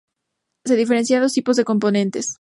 Se diferencian dos tipos de componentes.